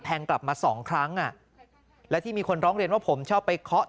กลับมาสองครั้งอ่ะและที่มีคนร้องเรียนว่าผมชอบไปเคาะ